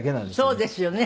「そうですよね。